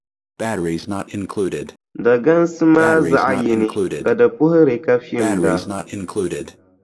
Dagansi maa zaɣʼ yini ka di puhiri ka fimda.